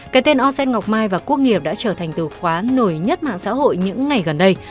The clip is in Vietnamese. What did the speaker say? cái tên osen ngọc mai và quốc nghiệp đã trở thành từ khóa nổi nhất mạng xã hội những ngày gần đây